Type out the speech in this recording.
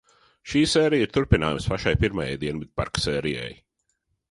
Šī sērija ir turpinājums pašai pirmajai Dienvidparka sērijai.